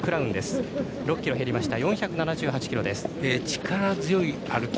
力強い歩き。